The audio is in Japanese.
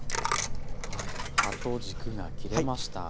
葉と軸が切れました。